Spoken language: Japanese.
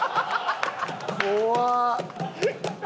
怖っ！